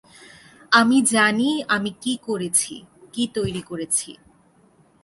আমি জানি আমি কী করেছি, কী তৈরি করেছি।